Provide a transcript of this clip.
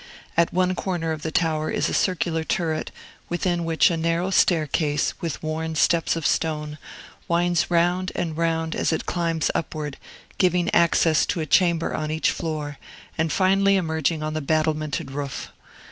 At one corner of the tower is a circular turret, within which a narrow staircase, with worn steps of stone, winds round and round as it climbs upward, giving access to a chamber on each floor, and finally emerging on the battlemented roof.